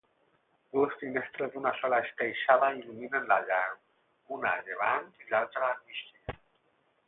Dues finestres d'una sola esqueixada il·luminen la nau: una a llevant i l'altra a migdia.